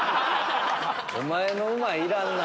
お前の「うまい」いらんな。